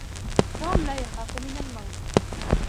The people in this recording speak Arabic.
توم لا يخاف من الموت.